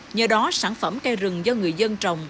nhờ đó sản phẩm cây rừng do người dân trồng